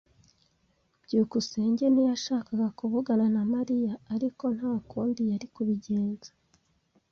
byukusenge ntiyashakaga kuvugana na Mariya, ariko nta kundi yari kubigenza.